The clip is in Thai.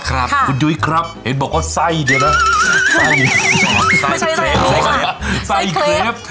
ครับคุณยุ้ยครับเห็นบอกว่าไส้เดี๋ยวนะไส้ไม่ใช่เราไส้ครีฟ